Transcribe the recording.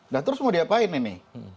nah terus mau diapain ini